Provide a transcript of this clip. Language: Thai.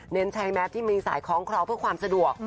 เน้นใช้แม็สที่มีสายคล้องคอเพื่อความสะดวก